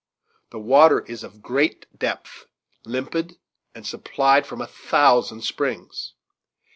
The water is of great depth, limpid, and supplied from a thousand springs.